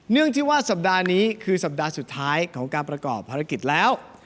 เรื่องที่ว่าสัปดาห์นี้คือสัปดาห์สุดท้ายของการประกอบภารกิจแล้ว